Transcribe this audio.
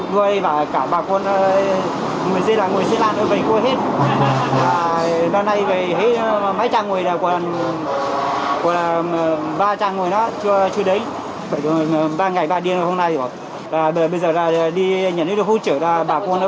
ba trang người đó chưa đến ba ngày ba điên hôm nay